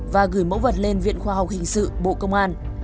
và gửi mẫu vật lên viện khoa học hình sự bộ công an